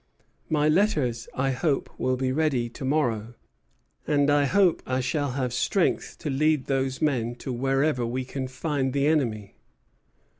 My letters, I hope, will be ready to morrow, and I hope I shall have strength to lead these men to wherever we can find the enemy."